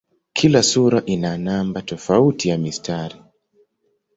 Kila sura ina namba tofauti ya mistari.